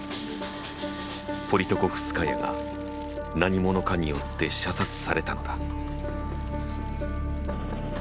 ポリトコフスカヤが何者かによって射殺されたのだ。